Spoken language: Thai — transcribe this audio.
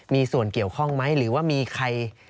มีส่วนเกี่ยวข้องไหมหรือว่ามีใคร